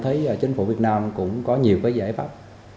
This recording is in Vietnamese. thấy chính phủ việt nam cũng có nhiều cái giải pháp